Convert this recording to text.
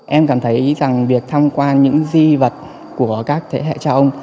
em cảm thấy rằng việc tham quan những di vật của các thế hệ cha ông